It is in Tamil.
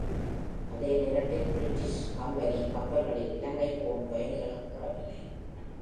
அதே நேரத்தில் பிரிட்டிஷ் கம்பெனி கப்பல்களில் இலங்கை போகும் பயணிகளும் ஏறவில்லை.